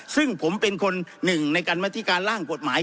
ซึ่งผมเป็นคนหนึ่งในการมาธิการร่างกฎหมาย